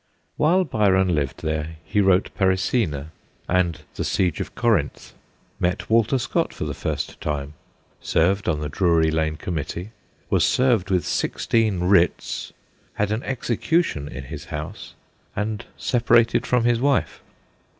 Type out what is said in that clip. While Byron lived there he wrote 'Parisina' and ' The Siege of Corinth/ met Walter Scott for the first time, served on the Drury Lane Committee, was served with sixteen writs, had an execution in his house, and separated from his wife.